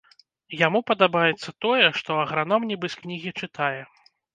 Яму падабаецца тое, што аграном нібы з кнігі чытае.